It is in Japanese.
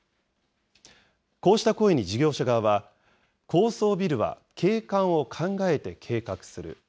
こうした声に事業者側は、高層ビルは景観を考えて計画する。